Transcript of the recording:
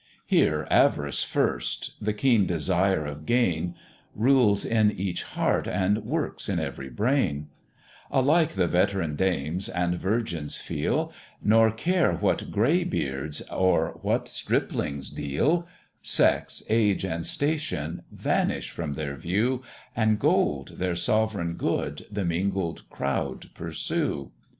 Here avarice first, the keen desire of gain, Rules in each heart, and works in every brain: Alike the veteran dames and virgins feel, Nor care what graybeards or what striplings deal; Sex, age, and station, vanish from their view, And gold, their sov'reign good, the mingled crowd pursue.